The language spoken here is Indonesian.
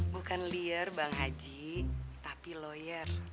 bukan liar bang haji tapi lawyer